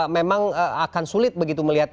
memang akan sulit begitu melihat